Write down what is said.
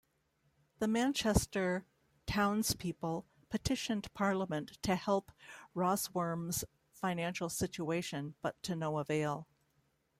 The Manchester townspeople petitioned parliament to help Rosworm's financial situation but to no avail.